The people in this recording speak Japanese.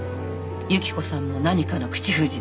雪子さんも何かの口封じで。